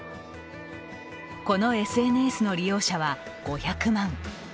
このＳＮＳの利用者は５００万。